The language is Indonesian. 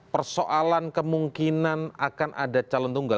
persoalan kemungkinan akan ada calon tunggal